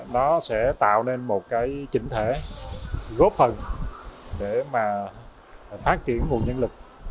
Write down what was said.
nó sẽ tạo nên một cái chỉnh thể góp phần để mà phát triển nguồn nhân lực